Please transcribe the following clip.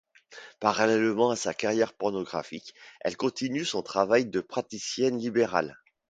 Parallèlement à sa carrière pornographique, elle continue son travail de praticienne libérale.